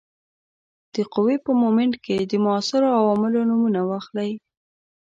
د قوې په مومنټ کې د موثرو عواملو نومونه واخلئ.